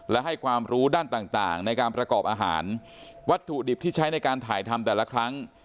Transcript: และให้ความรู้ด้านต่างต่างในการประกอบอาหารวัตถุดิบที่ใช้ในการถ่ายทำแต่ละครั้ง